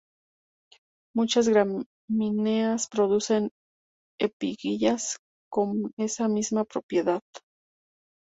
Muchas gramíneas producen espiguillas con esa misma propiedad.